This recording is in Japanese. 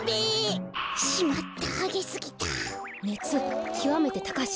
ねつきわめてたかし。